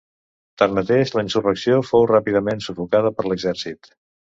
Tanmateix la insurrecció fou ràpidament sufocada per l'exèrcit.